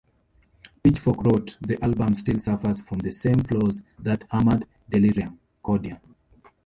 Pitchfork wrote "the album still suffers from the same flaws that hampered "Delirium Cordia".